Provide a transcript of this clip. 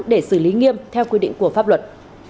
để xử lý nghiêm theo quy định của pháp luật